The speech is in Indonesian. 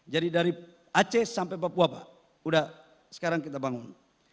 dari aceh sampai papua pak udah sekarang kita bangun